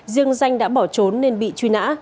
dương danh đã bỏ trốn nên bị truy nã